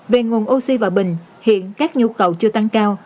về nguồn oxy hòa bình hiện các nhu cầu chưa tăng cao